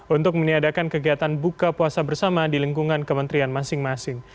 untuk meniadakan kegiatan buka puasa bersama di lingkungan kementerian masing masing